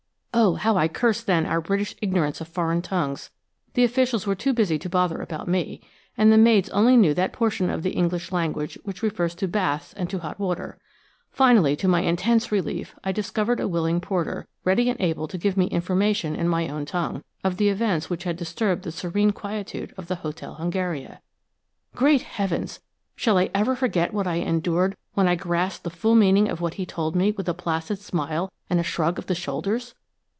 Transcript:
Oh, how I cursed then our British ignorance of foreign tongues. The officials were too busy to bother about me, and the maids only knew that portion of the English language which refers to baths and to hot water. Finally, to my intense relief, I discovered a willing porter, ready and able to give me information in my own tongue of the events which had disturbed the serene quietude of the Hotel Hungaria. Great heavens! Shall I ever forget what I endured when I grasped the full meaning of what he told me with a placid smile and a shrug of the shoulders!